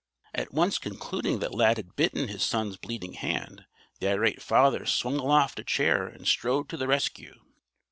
At once concluding that Lad had bitten his son's bleeding hand, the irate father swung aloft a chair and strode to the rescue.